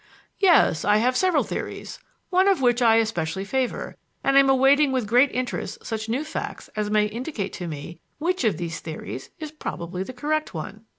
"Yes, I have several theories, one of which I especially favor, and I am awaiting with great interest such new facts as may indicate to me which of these theories is probably the correct one."